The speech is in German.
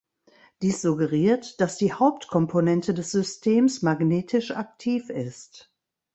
Dies suggeriert, dass die Hauptkomponente des Systems magnetisch aktiv ist.